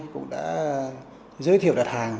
cũng đã giới thiệu đặt hàng